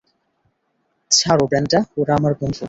ছাড়ো ব্রেন্ডা, ওরা আমার বন্ধু।